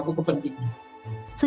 sejumlah pemerintah di indonesia